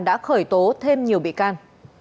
đã khởi tố thêm nhiều bị can